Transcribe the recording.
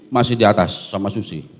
masih di atas sama susi